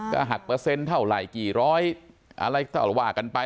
ก็หักเปอร์เซ็นต์เท่าไหร่กี่ร้อยอะไรเท่าว่ากันไป